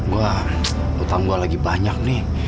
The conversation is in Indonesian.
gua utang gua lagi banyak nih